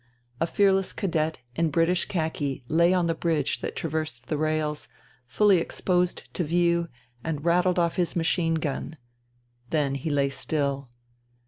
A fearless cadet in British khaki lay on the bridge that traversed the rails, fully exposed to view, and rattled off his machine gun ; then he lay still.